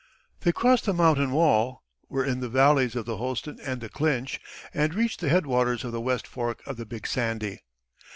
They crossed the mountain wall, were in the valleys of the Holston and the Clinch, and reached the head waters of the West Fork of the Big Sandy.